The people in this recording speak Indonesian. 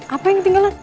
apa yang ketinggalan